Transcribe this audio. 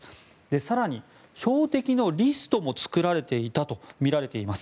更に標的のリストも作られていたとみられています。